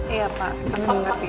iya pak kami mengerti